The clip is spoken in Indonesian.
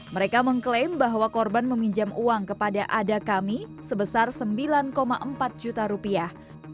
mereka mengklaim bahwa korban meminjam uang kepada ada kami sebesar sembilan empat juta rupiah